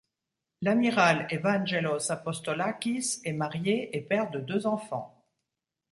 L'amiral Evángelos Apostolákis est marié et père de deux enfants.